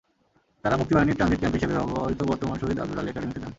তাঁরা মুক্তিবাহিনীর transit camp হিসেবে ব্যবহৃত বর্তমান শহীদ আবদুল আলী একাডেমিতে যান।